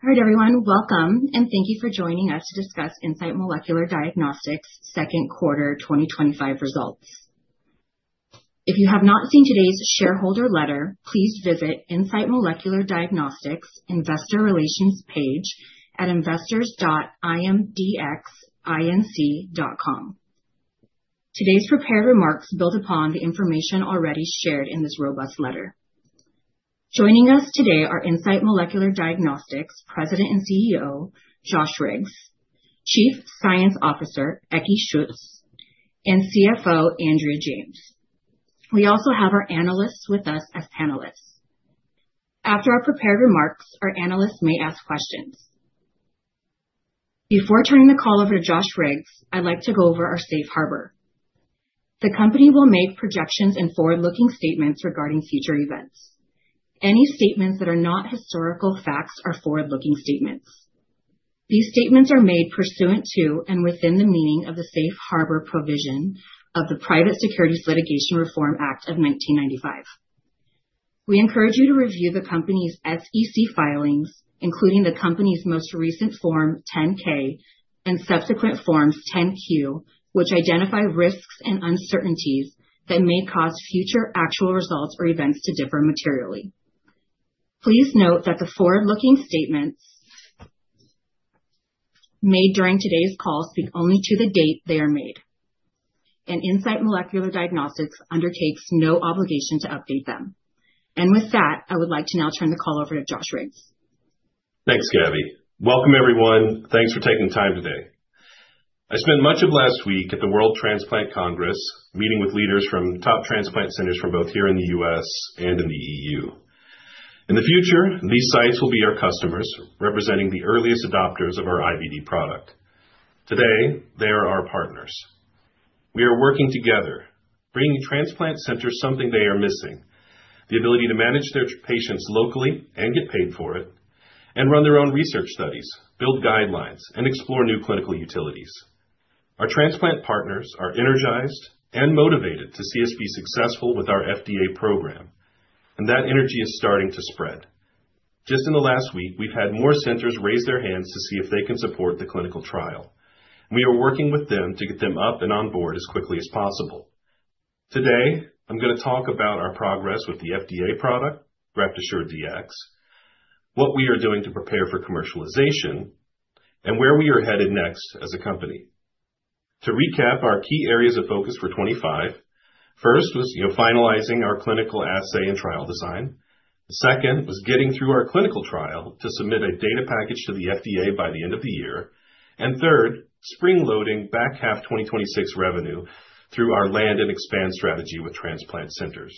Alright everyone, welcome and thank you for joining us to discuss Insight Molecular Diagnostics Inc.'s Second Quarter 2025 Results. If you have not seen today's shareholder letter, please visit Insight Molecular Diagnostics Inc.'s investor relations page at investors.imdxinc.com. Today's prepared remarks build upon the information already shared in this robust letter. Joining us today are Insight Molecular Diagnostics Inc.'s President and CEO, Joshua Riggs, Chief Science Officer, Dr. Ekkehard Schutz, and Chief Financial Officer, Andrea Susan James. We also have our analysts with us as panelists. After our prepared remarks, our analysts may ask questions. Before turning the call over to Joshua Riggs, I'd like to go over our safe harbor. The company will make projections and forward-looking statements regarding future events. Any statements that are not historical facts are forward-looking statements. These statements are made pursuant to and within the meaning of the Safe Harbor provision of the Private Securities Litigation Reform Act of 1995. We encourage you to review the company's SEC filings, including the company's most recent Form 10-K and subsequent Forms 10-Q, which identify risks and uncertainties that may cause future actual results or events to differ materially. Please note that the forward-looking statements made during today's call speak only to the date they are made, and Insight Molecular Diagnostics Inc. undertakes no obligation to update them. With that, I would like to now turn the call over to Joshua Riggs. Thanks, Gabi. Welcome, everyone. Thanks for taking the time today. I spent much of last week at the World Transplant Congress, meeting with leaders from top transplant centers from both here in the U.S. and in the EU. In the future, these sites will be our customers, representing the earliest adopters of our IVD product. Today, they are our partners. We are working together, bringing transplant centers something they are missing: the ability to manage their patients locally and get paid for it, and run their own research studies, build guidelines, and explore new clinical utilities. Our transplant partners are energized and motivated to see us be successful with our FDA program, and that energy is starting to spread. Just in the last week, we've had more centers raise their hands to see if they can support the clinical trial, and we are working with them to get them up and on board as quickly as possible. Today, I'm going to talk about our progress with the FDA product, Breptosure DX, what we are doing to prepare for commercialization, and where we are headed next as a company. To recap our key areas of focus for 2025: first was, you know, finalizing our clinical assay and trial design; second was getting through our clinical trial to submit a data package to the FDA by the end of the year; and third, spring-loading back half 2026 revenue through our land and expand strategy with transplant centers.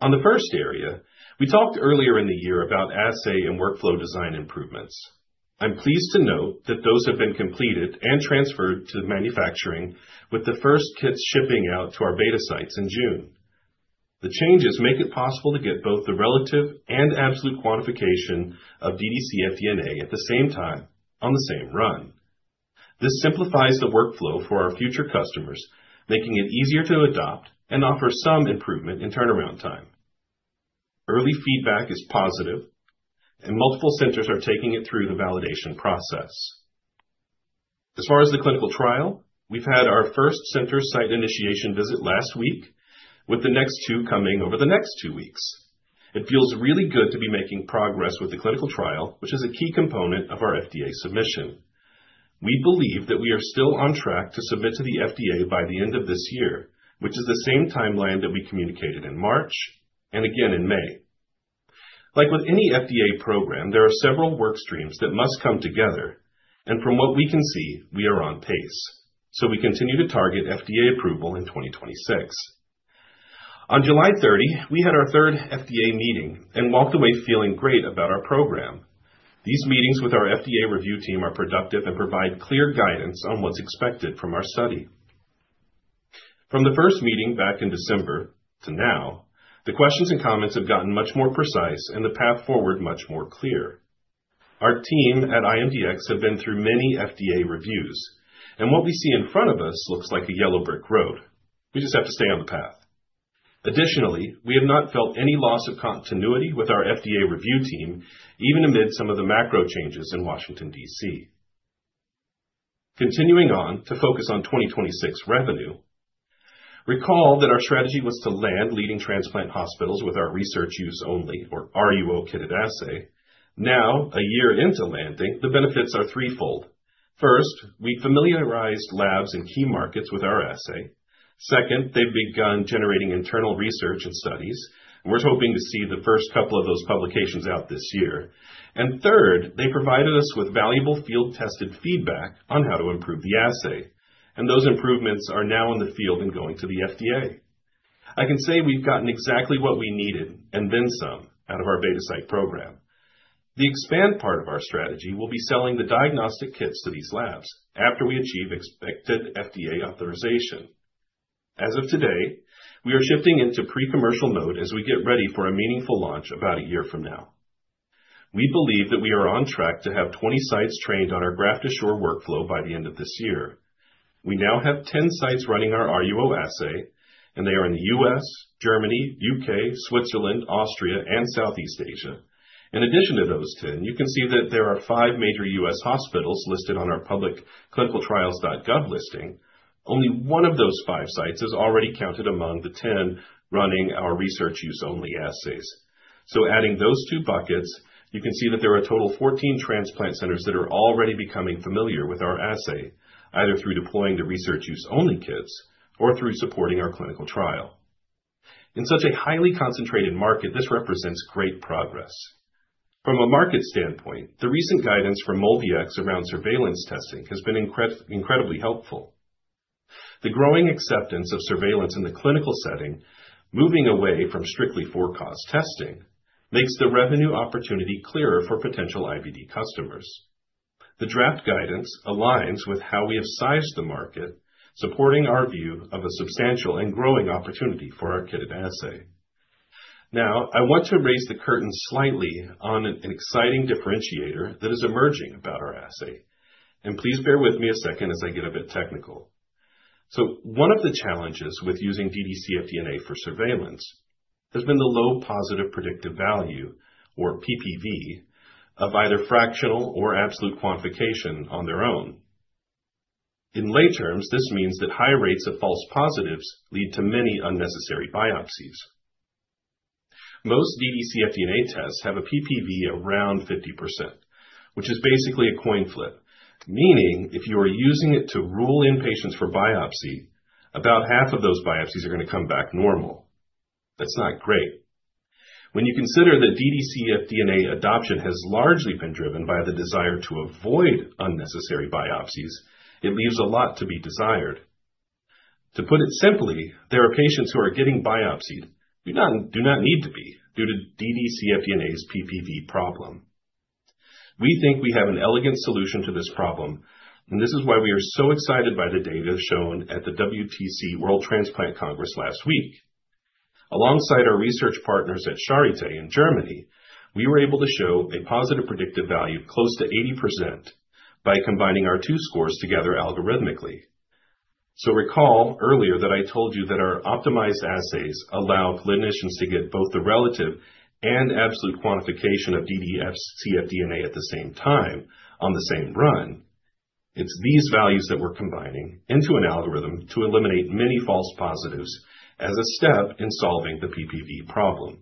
On the first area, we talked earlier in the year about assay and workflow design improvements. I'm pleased to note that those have been completed and transferred to manufacturing, with the first kits shipping out to our beta sites in June. The changes make it possible to get both the relative and absolute quantification of dd-cfDNA at the same time on the same run. This simplifies the workflow for our future customers, making it easier to adopt and offer some improvement in turnaround time. Early feedback is positive, and multiple centers are taking it through the validation process. As far as the clinical trial, we've had our first center site initiation visit last week, with the next two coming over the next two weeks. It feels really good to be making progress with the clinical trial, which is a key component of our FDA submission. We believe that we are still on track to submit to the FDA by the end of this year, which is the same timeline that we communicated in March and again in May. Like with any FDA program, there are several work streams that must come together, and from what we can see, we are on pace, so we continue to target FDA approval in 2026. On July 30, we had our third FDA meeting and walked away feeling great about our program. These meetings with our FDA review team are productive and provide clear guidance on what's expected from our study. From the first meeting back in December to now, the questions and comments have gotten much more precise and the path forward much more clear. Our team at IMDx has been through many FDA reviews, and what we see in front of us looks like a yellow brick road. We just have to stay on the path. Additionally, we have not felt any loss of continuity with our FDA review team, even amid some of the macro changes in Washington, D.C. Continuing on to focus on 2026 revenue, recall that our strategy was to land leading transplant hospitals with our research use only, or RUO, kitted assay. Now, a year into landing, the benefits are threefold. First, we familiarized labs and key markets with our assay. Second, they've begun generating internal research and studies, and we're hoping to see the first couple of those publications out this year. Third, they provided us with valuable field-tested feedback on how to improve the assay, and those improvements are now in the field and going to the FDA. I can say we've gotten exactly what we needed and then some out of our beta site program. The expand part of our strategy will be selling the diagnostic kits to these labs after we achieve expected FDA authorization. As of today, we are shifting into pre-commercial mode as we get ready for a meaningful launch about a year from now. We believe that we are on track to have 20 sites trained on our Breptosure workflow by the end of this year. We now have 10 sites running our RUO assay, and they are in the U.S., Germany, UK, Switzerland, Austria, and Southeast Asia. In addition to those 10, you can see that there are five major U.S. hospitals listed on our public clinicaltrials.gov listing. Only one of those five sites is already counted among the 10 running our research use only assays. Adding those two buckets, you can see that there are a total of 14 transplant centers that are already becoming familiar with our assay, either through deploying the research use only kits or through supporting our clinical trial. In such a highly concentrated market, this represents great progress. From a market standpoint, the recent guidance from MolDX around surveillance testing has been incredibly helpful. The growing acceptance of surveillance in the clinical setting, moving away from strictly forecast testing, makes the revenue opportunity clearer for potential IVD customers. The draft guidance aligns with how we have sized the market, supporting our view of a substantial and growing opportunity for our kitted assay. Now, I want to raise the curtain slightly on an exciting differentiator that is emerging about our assay, and please bear with me a second as I get a bit technical. One of the challenges with using dd-cfDNA for surveillance has been the low positive predictive value, or PPV, of either fractional or absolute quantification on their own. In lay terms, this means that high rates of false positives lead to many unnecessary biopsies. Most dd-cfDNA tests have a PPV around 50%, which is basically a coin flip, meaning if you are using it to rule in patients for biopsy, about half of those biopsies are going to come back normal. That's not great. When you consider that dd-cfDNA adoption has largely been driven by the desire to avoid unnecessary biopsies, it leaves a lot to be desired. To put it simply, there are patients who are getting biopsied who do not need to be due to dd-cfDNA's PPV problem. We think we have an elegant solution to this problem, and this is why we are so excited by the data shown at the WTC World Transplant Congress last week. Alongside our research partners at Charité in Germany, we were able to show a positive predictive value of close to 80% by combining our two scores together algorithmically. Recall earlier that I told you that our optimized assays allow clinicians to get both the relative and absolute quantification of dd-cfDNA at the same time on the same run. It's these values that we're combining into an algorithm to eliminate many false positives as a step in solving the PPV problem.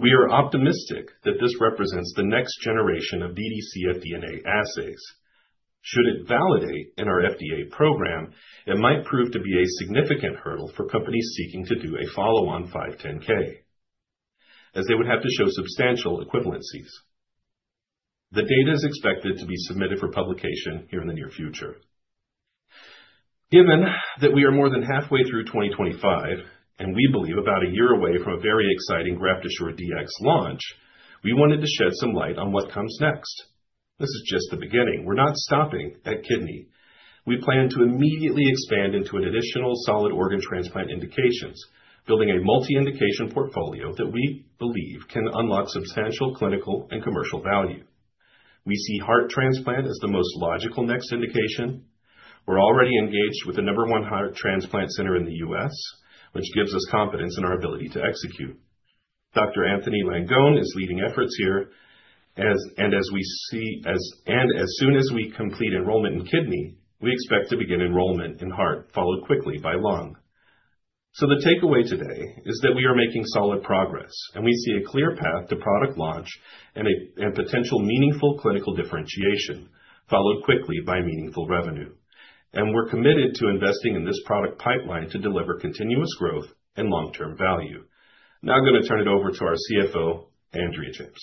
We are optimistic that this represents the next generation of dd-cfDNA assays. Should it validate in our FDA program, it might prove to be a significant hurdle for companies seeking to do a follow-on 510K, as they would have to show substantial equivalencies. The data is expected to be submitted for publication here in the near future. Given that we are more than halfway through 2025, and we believe about a year away from a very exciting Breptosure DX launch, we wanted to shed some light on what comes next. This is just the beginning. We're not stopping at kidney. We plan to immediately expand into additional solid organ transplant indications, building a multi-indication portfolio that we believe can unlock substantial clinical and commercial value. We see heart transplant as the most logical next indication. We're already engaged with the number one heart transplant center in the U.S., which gives us confidence in our ability to execute. Dr. Anthony Langone is leading efforts here, and as soon as we complete enrollment in kidney, we expect to begin enrollment in heart, followed quickly by lung. The takeaway today is that we are making solid progress, and we see a clear path to product launch and potential meaningful clinical differentiation, followed quickly by meaningful revenue. We're committed to investing in this product pipeline to deliver continuous growth and long-term value. Now I'm going to turn it over to our CFO, Andrea Susan James.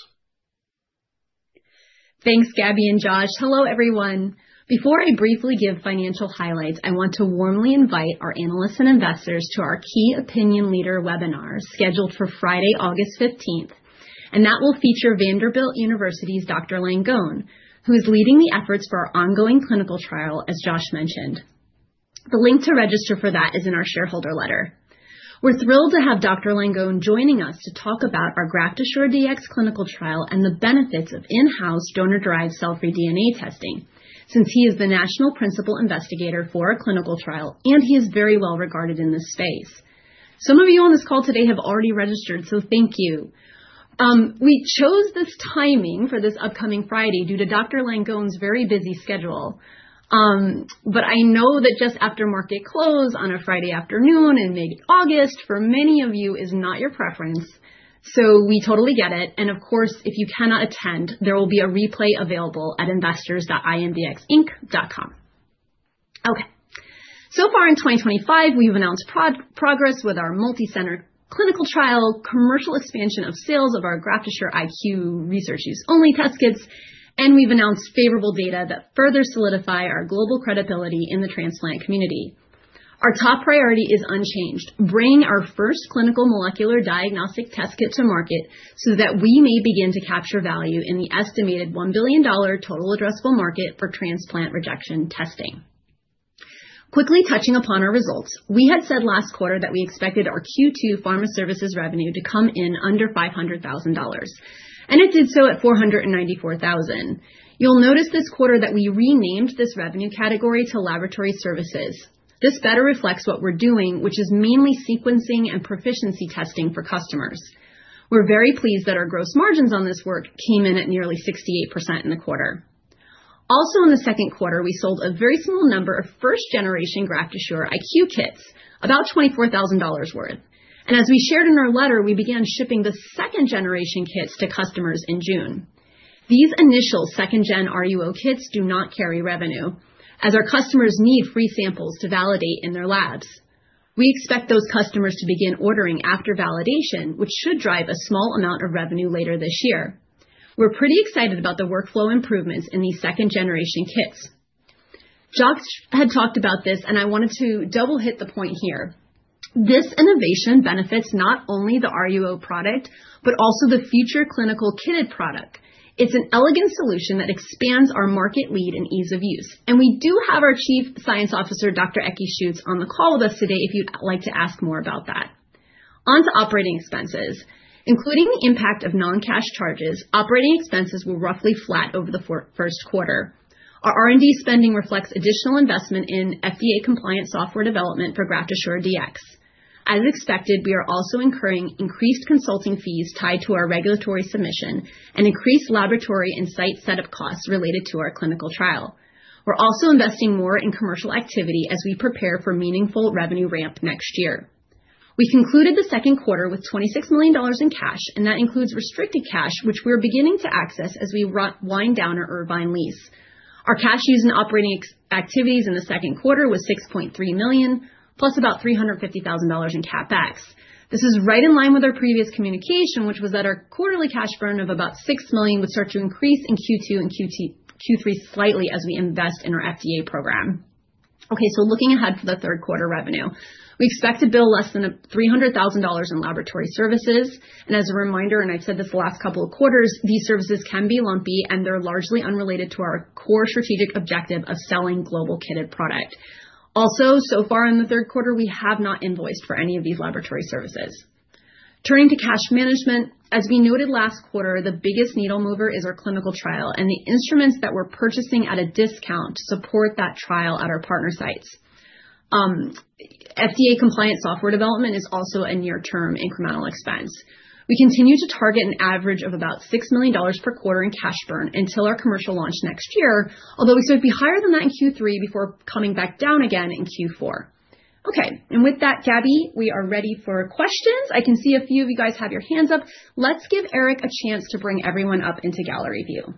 Thanks, Gabi and Josh. Hello, everyone. Before I briefly give financial highlights, I want to warmly invite our analysts and investors to our Key Opinion Leader webinars scheduled for Friday, August 15, and that will feature Vanderbilt University's Dr. Langone, who is leading the efforts for our ongoing clinical trial, as Josh mentioned. The link to register for that is in our shareholder letter. We're thrilled to have Dr. Langone joining us to talk about our Breptosure DX clinical trial and the benefits of in-house donor-derived cell-free DNA testing, since he is the National Principal Investigator for our clinical trial, and he is very well regarded in this space. Some of you on this call today have already registered, so thank you. We chose this timing for this upcoming Friday due to Dr. Langone's very busy schedule. I know that just after market close on a Friday afternoon in mid-August for many of you is not your preference, so we totally get it. Of course, if you cannot attend, there will be a replay available at investors.imdxinc.com. Okay. So far in 2025, we've announced progress with our multi-centered clinical trial, commercial expansion of sales of our Breptosure IQ research use only test kits, and we've announced favorable data that further solidify our global credibility in the transplant community. Our top priority is unchanged: bringing our first clinical molecular diagnostic test kits to market so that we may begin to capture value in the estimated $1 billion total addressable market for transplant rejection testing. Quickly touching upon our results, we had said last quarter that we expected our Q2 pharma services revenue to come in under $500,000, and it did so at $494,000. You'll notice this quarter that we renamed this revenue category to laboratory services. This better reflects what we're doing, which is mainly sequencing and proficiency testing for customers. We're very pleased that our gross margins on this work came in at nearly 68% in the quarter. Also, in the second quarter, we sold a very small number of first-generation Breptosure IQ kits, about $24,000 worth, and as we shared in our letter, we began shipping the second-generation kits to customers in June. These initial second-gen RUO kits do not carry revenue, as our customers need free samples to validate in their labs. We expect those customers to begin ordering after validation, which should drive a small amount of revenue later this year. We're pretty excited about the workflow improvements in these second-generation kits. Josh had talked about this, and I wanted to double-hit the point here. This innovation benefits not only the RUO product, but also the future clinical kitted product. It's an elegant solution that expands our market lead in ease of use, and we do have our Chief Science Officer, Dr. Ekkehard Schutz, on the call with us today if you'd like to ask more about that. On to operating expenses. Including the impact of non-cash charges, operating expenses were roughly flat over the first quarter. Our R&D spending reflects additional investment in FDA-compliant software development for Breptosure DX. As expected, we are also incurring increased consulting fees tied to our regulatory submission and increased laboratory and site setup costs related to our clinical trial. We're also investing more in commercial activity as we prepare for meaningful revenue ramp next year. We concluded the second quarter with $26 million in cash, and that includes restricted cash, which we're beginning to access as we wind down our Irvine lease. Our cash used in operating activities in the second quarter was $6.3 million, plus about $0.35 million in capex. This is right in line with our previous communication, which was that our quarterly cash burn of about $6 million would start to increase in Q2 and Q3 slightly as we invest in our FDA program. Looking ahead for the third quarter revenue, we expect to bill less than $300,000 in laboratory services, and as a reminder, and I've said this the last couple of quarters, these services can be lumpy, and they're largely unrelated to our core strategic objective of selling global kitted product. Also, so far in the third quarter, we have not invoiced for any of these laboratory services. Turning to cash management, as we noted last quarter, the biggest needle mover is our clinical trial, and the instruments that we're purchasing at a discount support that trial at our partner sites. FDA-compliant software development is also a near-term incremental expense. We continue to target an average of about $6 million per quarter in cash burn until our commercial launch next year, although we said it'd be higher than that in Q3 before coming back down again in Q4. With that, Gabi, we are ready for questions. I can see a few of you guys have your hands up. Let's give Eric a chance to bring everyone up into gallery view.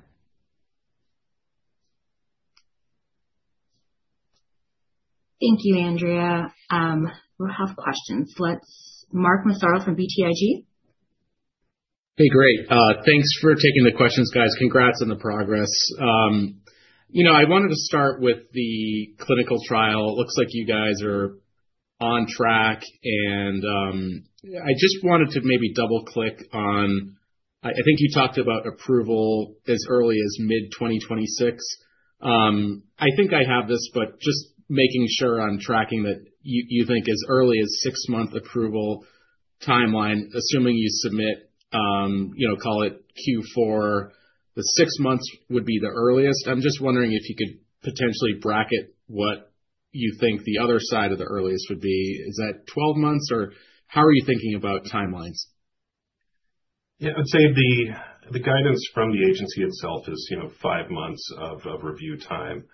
Thank you, Andrea. We'll have questions. Let's mark Mark Anthony Massaro from BTIG. Hey, great. Thanks for taking the questions, guys. Congrats on the progress. I wanted to start with the clinical trial. It looks like you guys are on track, and I just wanted to maybe double-click on, I think you talked about approval as early as mid-2026. I think I have this, but just making sure I'm tracking that you think as early as six-month approval timeline, assuming you submit, you know, call it Q4, the six months would be the earliest. I'm just wondering if you could potentially bracket what you think the other side of the earliest would be. Is that 12 months, or how are you thinking about timelines? I'd say the guidance from the agency itself is, you know, five months of review time.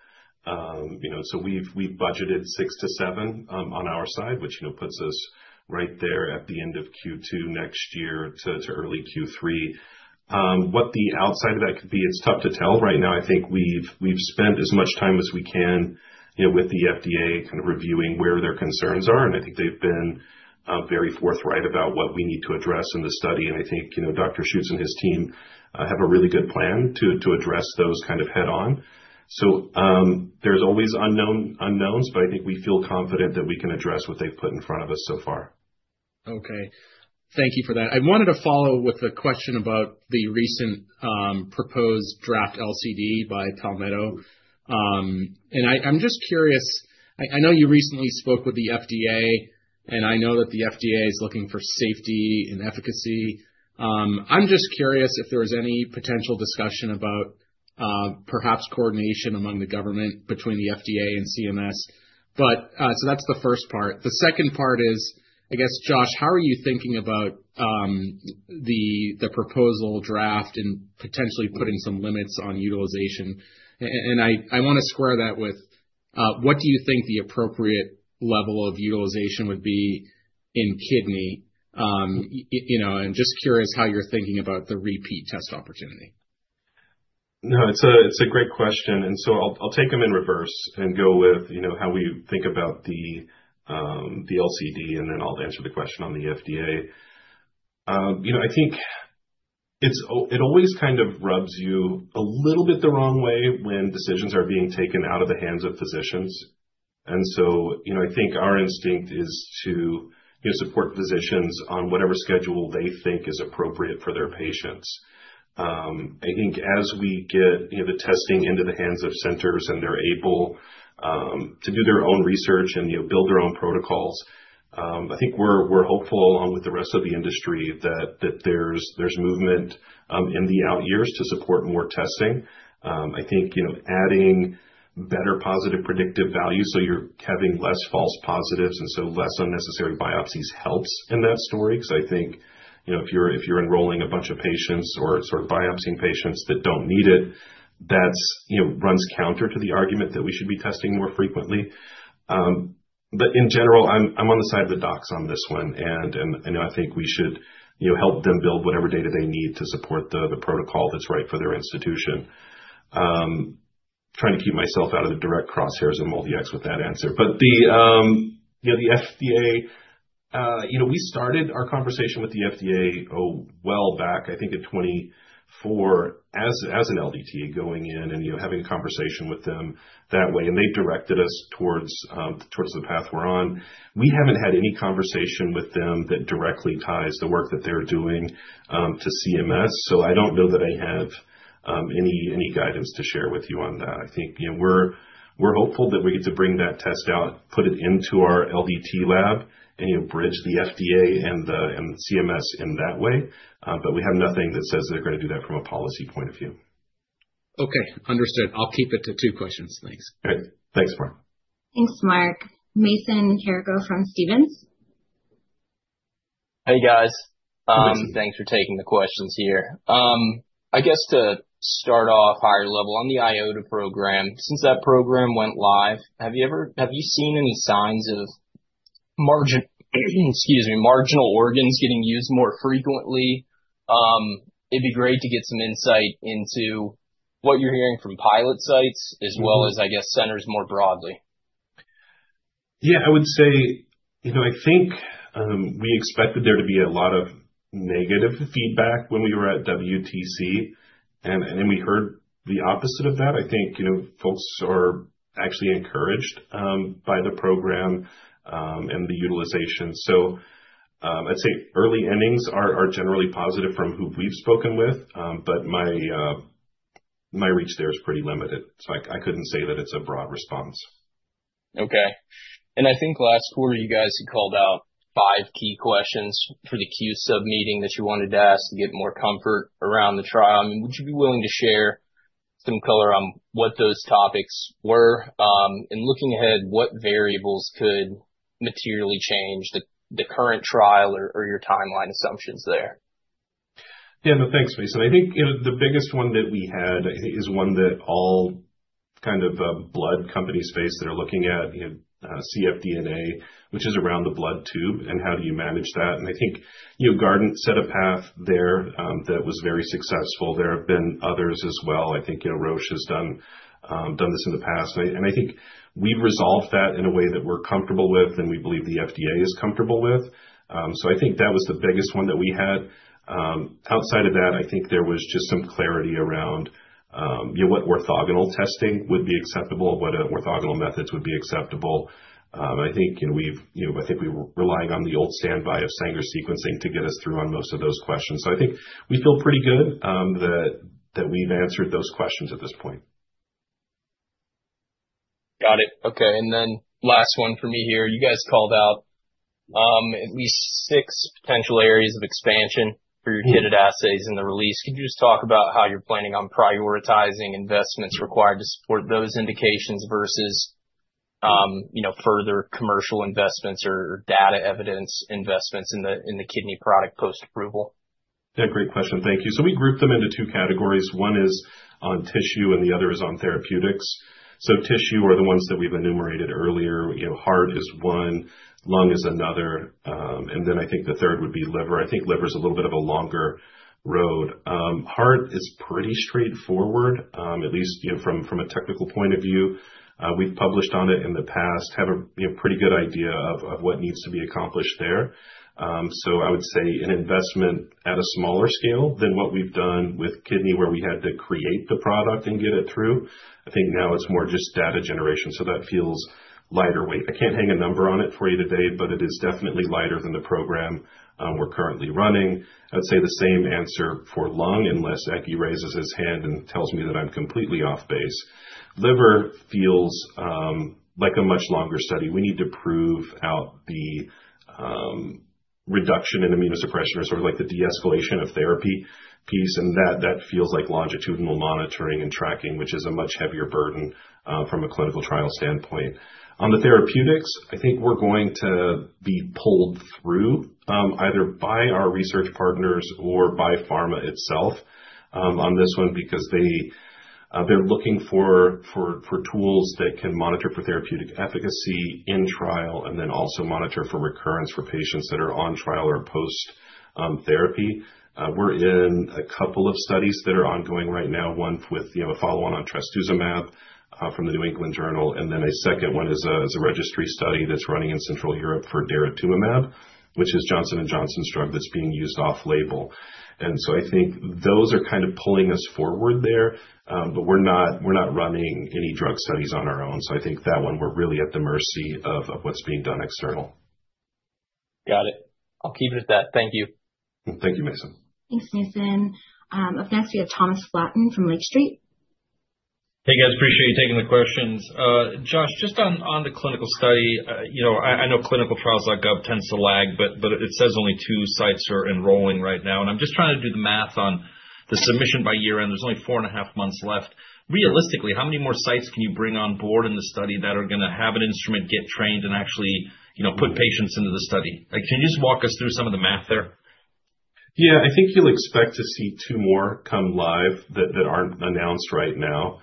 We've budgeted six to seven on our side, which puts us right there at the end of Q2 next year to early Q3. What the outside of that could be, it's tough to tell. Right now, I think we've spent as much time as we can with the FDA kind of reviewing where their concerns are, and I think they've been very forthright about what we need to address in the study. I think Dr. Ekkehard Schutz and his team have a really good plan to address those kind of head-on. There's always unknowns, but I think we feel confident that we can address what they've put in front of us so far. Okay, thank you for that. I wanted to follow with a question about the recent proposed draft LCD by Palmetto. I'm just curious, I know you recently spoke with the FDA, and I know that the FDA is looking for safety and efficacy. I'm just curious if there was any potential discussion about perhaps coordination among the government between the FDA and CMS. That's the first part. The second part is, I guess, Josh, how are you thinking about the proposal draft and potentially putting some limits on utilization? I want to square that with, what do you think the appropriate level of utilization would be in kidney? I'm just curious how you're thinking about the repeat test opportunity. No, it's a great question. I'll take them in reverse and go with how we think about the LCD, and then I'll answer the question on the FDA. I think it always kind of rubs you a little bit the wrong way when decisions are being taken out of the hands of physicians. I think our instinct is to support physicians on whatever schedule they think is appropriate for their patients. As we get the testing into the hands of centers and they're able to do their own research and build their own protocols, we're hopeful, along with the rest of the industry, that there's movement in the out years to support more testing. Adding better positive predictive values, so you're having fewer false positives and so fewer unnecessary biopsies, helps in that story. If you're enrolling a bunch of patients or biopsying patients that don't need it, that runs counter to the argument that we should be testing more frequently. In general, I'm on the side of the docs on this one, and I think we should help them build whatever data they need to support the protocol that's right for their institution. Trying to keep myself out of the direct crosshairs of MolDX with that answer. The FDA, we started our conversation with the FDA a while back, I think in 2024, as an LDT going in and having a conversation with them that way, and they directed us towards the path we're on. We haven't had any conversation with them that directly ties the work that they're doing to CMS, so I don't know that I have any guidance to share with you on that. We're hopeful that we get to bring that test out, put it into our LDT lab, and bridge the FDA and the CMS in that way, but we have nothing that says they're going to do that from a policy point of view. Okay, understood. I'll keep it to two questions. Thanks. Thanks, Mark. Thanks, Mark. Mason Owen Carrico from Stevens. Hey, guys. Thanks for taking the questions here. I guess to start off higher level on the IOTA program, since that program went live, have you seen any signs of, excuse me, marginal organs getting used more frequently? It'd be great to get some insight into what you're hearing from pilot sites, as well as, I guess, centers more broadly. I would say, you know, I think we expected there to be a lot of negative feedback when we were at WTC, and then we heard the opposite of that. I think, you know, folks are actually encouraged by the program and the utilization. I'd say early endings are generally positive from who we've spoken with, but my reach there is pretty limited, so I couldn't say that it's a broad response. Okay. I think last quarter you guys had called out five key questions for the Q sub meeting that you wanted to ask to get more comfort around the trial. Would you be willing to share some color on what those topics /were? Looking ahead, what variables could materially change the current trial or your timeline assumptions there? Yeah, no, thanks, Mason. I think the biggest one that we had is one that all kind of blood companies face that are looking at cfDNA, which is around the blood tube and how do you manage that. I think you've set a path there that was very successful. There have been others as well. I think Roche has done this in the past. I think we resolved that in a way that we're comfortable with and we believe the FDA is comfortable with. That was the biggest one that we had. Outside of that, I think there was just some clarity around what orthogonal testing would be acceptable, what orthogonal methods would be acceptable. I think we were relying on the old standby of Sanger sequencing to get us through on most of those questions. I think we feel pretty good that we've answered those questions at this point. Got it. Okay. Last one for me here. You guys called out at least six potential areas of expansion for your kitted assays in the release. Could you just talk about how you're planning on prioritizing investments required to support those indications versus further commercial investments or data evidence investments in the kidney product post-approval? Yeah, great question. Thank you. We grouped them into two categories. One is on tissue and the other is on therapeutics. Tissue are the ones that we've enumerated earlier. Heart is one, lung is another, and then I think the third would be liver. I think liver is a little bit of a longer road. Heart is pretty straightforward, at least from a technical point of view. We've published on it in the past, have a pretty good idea of what needs to be accomplished there. I would say an investment at a smaller scale than what we've done with kidney where we had to create the product and get it through. I think now it's more just data generation, so that feels lighter weight. I can't hang a number on it for you today, but it is definitely lighter than the program we're currently running. I'd say the same answer for lung, unless Eki raises his hand and tells me that I'm completely off base. Liver feels like a much longer study. We need to prove out the reduction in immunosuppression or sort of like the de-escalation of therapy piece, and that feels like longitudinal monitoring and tracking, which is a much heavier burden from a clinical trial standpoint. On the therapeutics, I think we're going to be pulled through either by our research partners or by pharma itself on this one because they're looking for tools that can monitor for therapeutic efficacy in trial and then also monitor for recurrence for patients that are on trial or post-therapy. We're in a couple of studies that are ongoing right now. One with a follow-on on trastuzumab from the New England Journal, and then a second one is a registry study that's running in Central Europe for daratumumab, which is Johnson & Johnson's drug that's being used off-label. I think those are kind of pulling us forward there, but we're not running any drug studies on our own. I think that one we're really at the mercy of what's being done external. Got it. I'll keep it at that. Thank you. Thank you, Mason. Thanks, Mason. Up next, we have Thomas Flaten from Lake Street. Hey guys, appreciate you taking the questions. Josh, just on the clinical study, I know clinicaltrials.gov tends to lag, but it says only two sites are enrolling right now, and I'm just trying to do the math on the submission by year-end. There's only four and a half months left. Realistically, how many more sites can you bring on board in the study that are going to have an instrument get trained and actually put patients into the study? Can you just walk us through some of the math there? Yeah, I think you'll expect to see two more come live that aren't announced right now,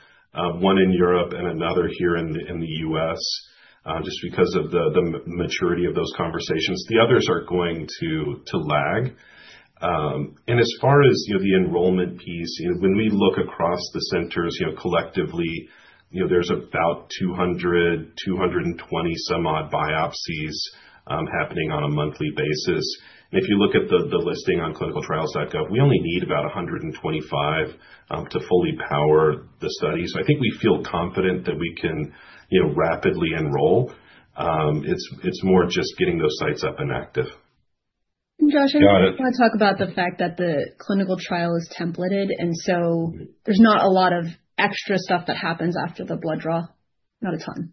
one in Europe and another here in the U.S., just because of the maturity of those conversations. The others are going to lag. As far as the enrollment piece, when we look across the centers, collectively, there's about 200, 220 some odd biopsies happening on a monthly basis. If you look at the listing on clinicaltrials.gov, we only need about 125 to fully power the study. I think we feel confident that we can rapidly enroll. It's more just getting those sites up and active. Josh, I just want to talk about the fact that the clinical trial is templated, and so there's not a lot of extra stuff that happens after the blood draw. Not a ton.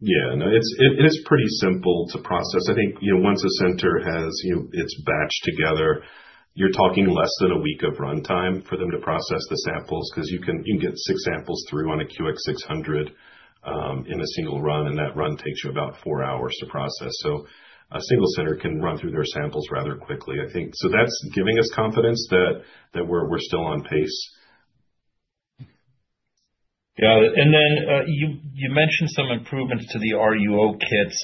Yeah, no, it is pretty simple to process. I think once a center has its batch together, you're talking less than a week of runtime for them to process the samples because you can get six samples through on a QX600 in a single run, and that run takes you about four hours to process. A single center can run through their samples rather quickly, I think. That's giving us confidence that we're still on pace. Got it. You mentioned some improvements to the RUO kits.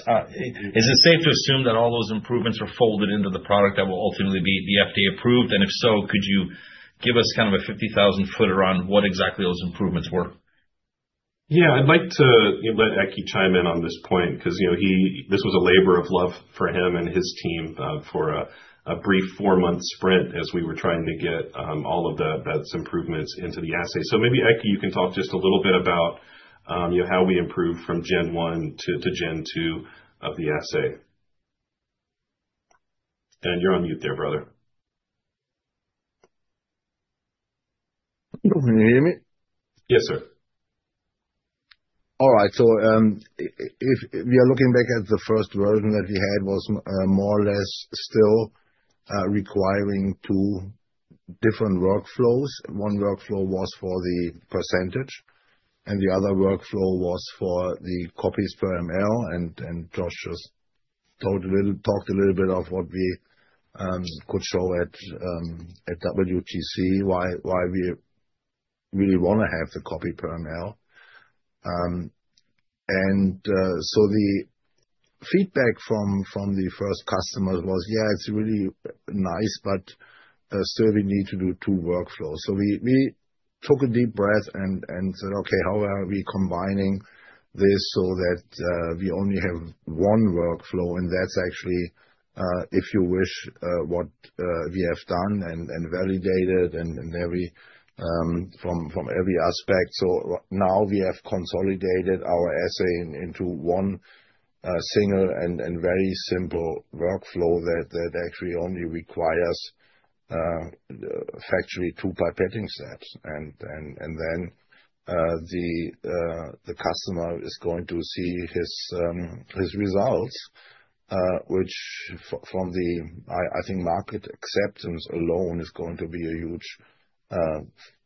Is it safe to assume that all those improvements are folded into the product that will ultimately be FDA approved? If so, could you give us kind of a 50,000-footer on what exactly those improvements were? Yeah, I'd like to let Ekke chime in on this point because this was a labor of love for him and his team for a brief four-month sprint as we were trying to get all of those improvements into the assay. Maybe Ekke, you can talk just a little bit about how we improved from Gen 1 to Gen 2 of the assay. You're on mute there, brother. Can you hear me? Yes, sir. All right, if you're looking back at the first version that we had, it was more or less still requiring two different workflows. One workflow was for the percentage, and the other workflow was for the copies per ml. Josh just talked a little bit of what we could show at WTC, why we really want to have the copy per ml. The feedback from the first customer was, yeah, it's really nice, but still we need to do two workflows. We took a deep breath and said, okay, how are we combining this so that we only have one workflow? That's actually, if you wish, what we have done and validated from every aspect. Now we have consolidated our assay into one single and very simple workflow that actually only requires factually two pipetting steps. The customer is going to see his results, which from the, I think, market acceptance alone is going to be a huge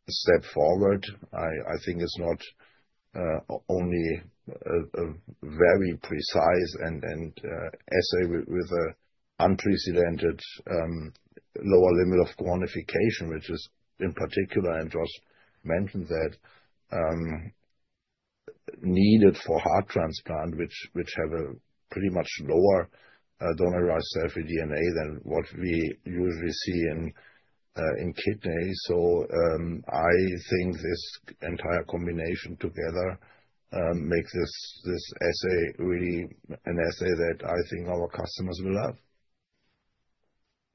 step forward. I think it's not only a very precise assay with an unprecedented lower limit of quantification, which is in particular, and Josh mentioned that, needed for heart transplant, which have a pretty much lower donor-derived cell-free DNA than what we usually see in kidney. I think this entire combination together makes this assay really an assay that I think our customers will love.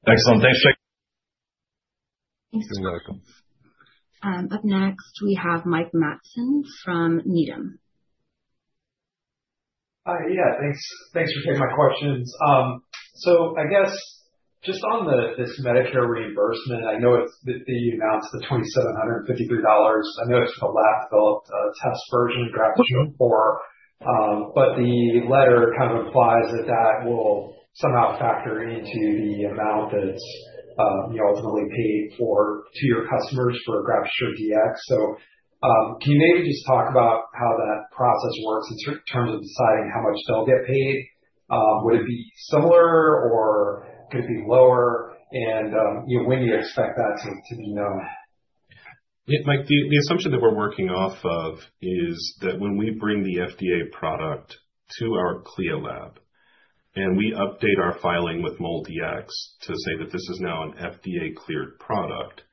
Excellent. Thanks, Jake. Thank you. You're welcome. Up next, we have Michael Stephen Matson from Needham. Hi, thanks. Thanks for taking my questions. I guess just on this Medicare reimbursement, I know the amount's $2,753. I know it's for the last developed test version, Breptosure DX. The letter kind of implies that that will somehow factor into the amount that's ultimately paid to your customers for Breptosure DX. Can you maybe just talk about how that process works in terms of deciding how much they'll get paid? Would it be similar or could it be lower? When do you expect that to be known? Mike, the assumption that we're working off of is that when we bring the FDA product to our CLIA lab and we update our filing with MolDX to say that this is now an FDA-cleared product,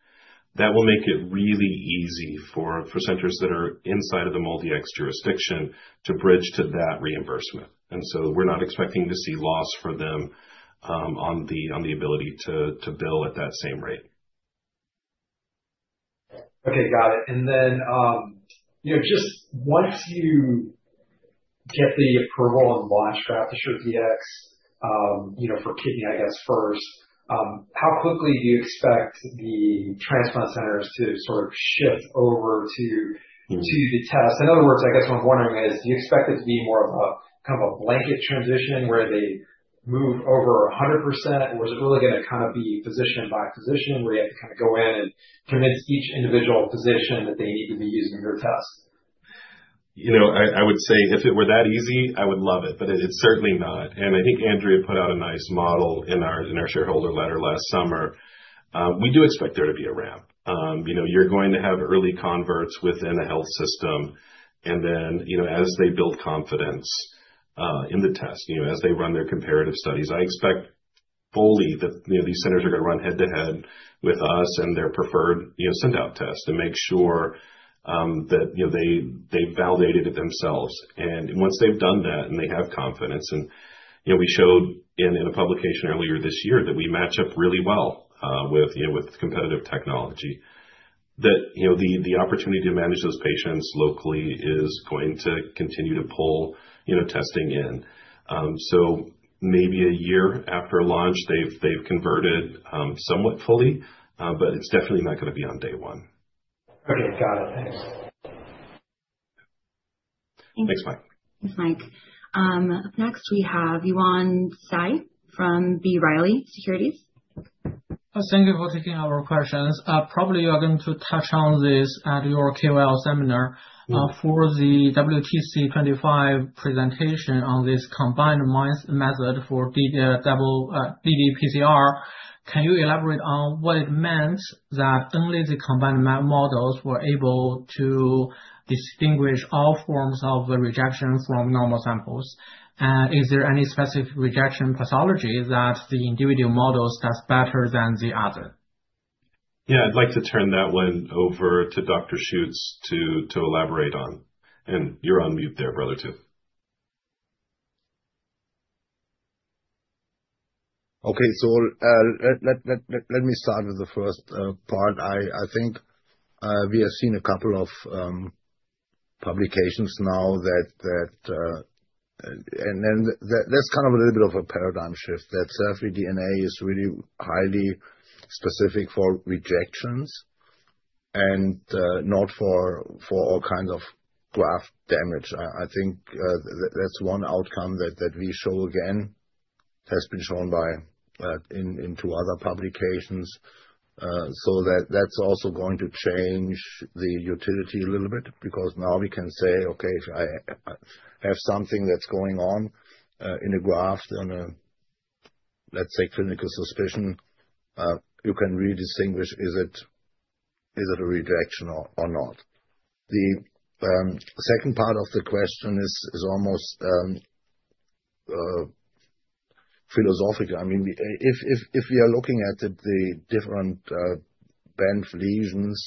that will make it really easy for centers that are inside of the MolDX jurisdiction to bridge to that reimbursement. We're not expecting to see loss for them on the ability to bill at that same rate. Okay, got it. Once you get the approval on the last Breptosure DX for kidney, I guess, first, how quickly do you expect the transplant centers to sort of shift over to the test? In other words, what I'm wondering is, do you expect it to be more of a kind of a blanket transition where they move over 100%, or is it really going to be physician by physician where you have to go in and convince each individual physician that they need to be using your test? I would say if it were that easy, I would love it, but it's certainly not. I think Andrea put out a nice model in our shareholder letter last summer. We do expect there to be a ramp. You're going to have early converts within a health system, and then as they build confidence in the test, as they run their comparative studies, I expect fully that these centers are going to run head-to-head with us and their preferred send-out test and make sure that they validated it themselves. Once they've done that and they have confidence, and we showed in a publication earlier this year that we match up really well with competitive technology, the opportunity to manage those patients locally is going to continue to pull testing in. Maybe a year after launch, they've converted somewhat fully, but it's definitely not going to be on day one. Okay, got it. Thanks. Thanks, Mike. Up next, we have Yuan Zhi from B. Riley Securities. Thank you for taking our questions. Probably you are going to touch on this at your KOL seminar for the WTC 25 presentation on this combined MINS method for ddPCR. Can you elaborate on what it means that only the combined MINS models were able to distinguish all forms of rejection from normal samples? Is there any specific rejection pathology that the individual models test better than the other? Yeah, I'd like to turn that one over to Dr. Ekkehard Schutz to elaborate on. You're on mute there, brother, too. Okay, so let me start with the first part. I think we have seen a couple of publications now that, and then that's kind of a little bit of a paradigm shift that cell-free DNA is really highly specific for rejections and not for all kinds of graft damage. I think that's one outcome that we show again, has been shown by in two other publications. That's also going to change the utility a little bit because now we can say, okay, if I have something that's going on in a graft and a, let's say, clinical suspicion, you can really distinguish is it a rejection or not. The second part of the question is almost philosophical. I mean, if we are looking at the different bench reasons,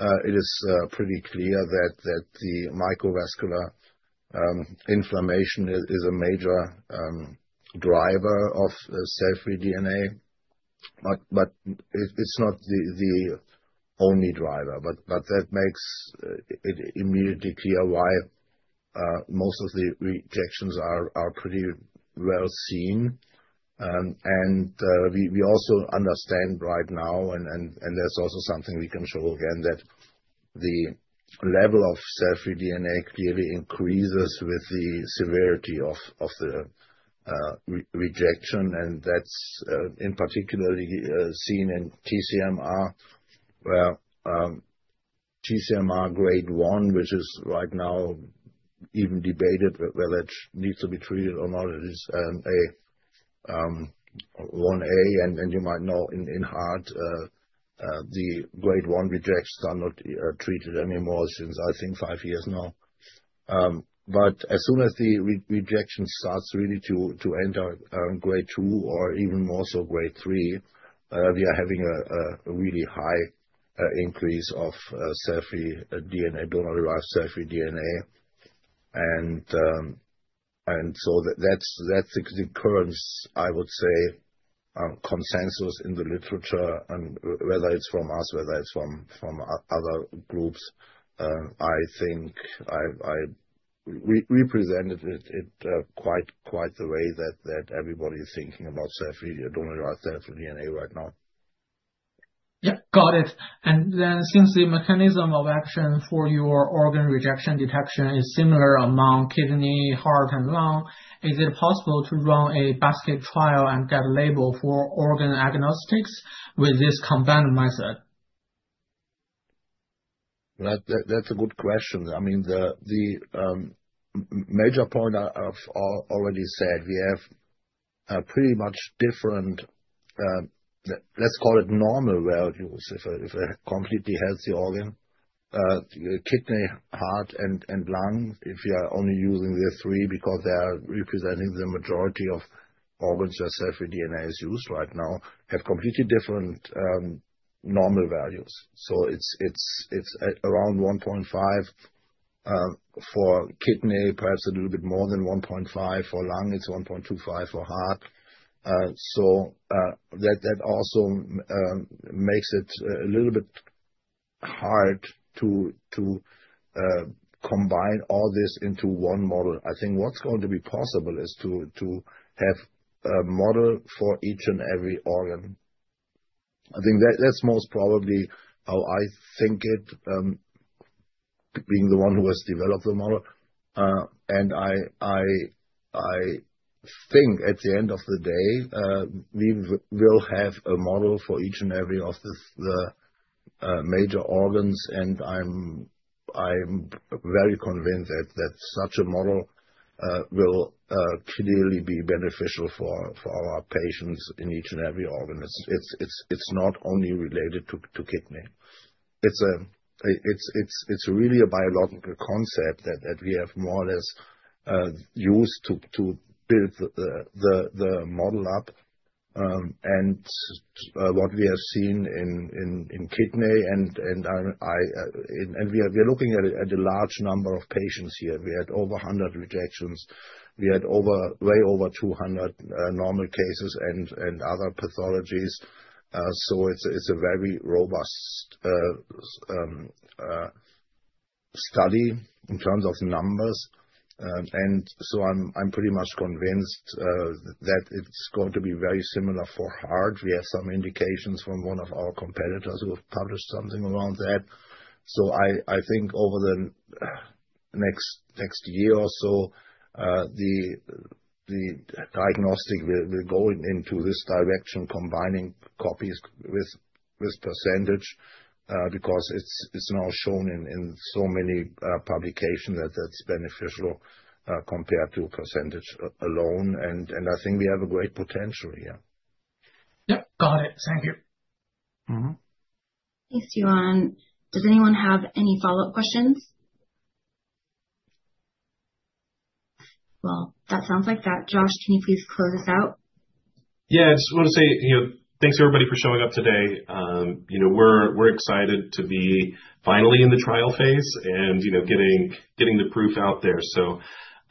it is pretty clear that the microvascular inflammation is a major driver of cell-free DNA. It's not the only driver. That makes it immediately clear why most of the rejections are pretty well seen. We also understand right now, and that's also something we can show again, that the level of cell-free DNA clearly increases with the severity of the rejection. That's in particularly seen in TCMR, TCMR grade 1, which is right now even debated whether it needs to be treated or not. It is a 1A. You might know in heart, the grade 1 rejections are not treated anymore since I think five years now. As soon as the rejection starts really to enter grade 2 or even more so grade 3, we are having a really high increase of cell-free DNA, donor-derived cell-free DNA. That's the current, I would say, consensus in the literature. Whether it's from us, whether it's from other groups, I think I represented it quite the way that everybody is thinking about cell-free DNA, donor-derived cell-free DNA right now. Yeah, got it. Since the mechanism of action for your organ rejection detection is similar among kidney, heart, and lung, is it possible to run a basket trial and get a label for organ agnostics with this combined method? That's a good question. The major point I've already said, we have pretty much different, let's call it normal values. If you have a completely healthy organ, your kidney, heart, and lung, if you are only using the three because they are representing the majority of organs that cell-free DNA is used right now, have completely different normal values. It's around 1.5 for kidney, perhaps a little bit more than 1.5 for lung. It's 1.25 for heart. That also makes it a little bit hard to combine all this into one model. I think what's going to be possible is to have a model for each and every organ. I think that's most probably how I think it, being the one who has developed the model. I think at the end of the day, we will have a model for each and every of the major organs. I'm very convinced that such a model will clearly be beneficial for our patients in each and every organ. It's not only related to kidney. It's really a biological concept that we have more or less used to build the model up. What we have seen in kidney, and we are looking at a large number of patients here. We had over 100 rejections. We had way over 200 normal cases and other pathologies. It's a very robust study in terms of numbers. I'm pretty much convinced that it's going to be very similar for heart. We have some indications from one of our competitors who have published something around that. I think over the next year or so, the diagnostic will go into this direction, combining copies with percentage because it's now shown in so many publications that that's beneficial compared to a percentage alone. I think we have a great potential here. Got it. Thank you. Thanks, Yuan. Does anyone have any follow-up questions? That sounds like that. Josh, can you please close us out? Yeah, I just want to say, you know, thanks everybody for showing up today. We're excited to be finally in the trial phase and getting the proof out there.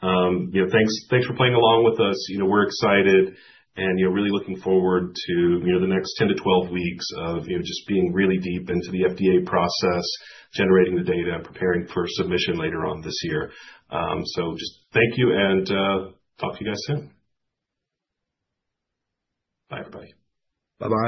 Thanks for playing along with us. We're excited and really looking forward to the next 10-12 weeks of just being really deep into the FDA process, generating the data, and preparing for submission later on this year. Just thank you and talk to you guys soon. Bye, everybody. Bye-bye.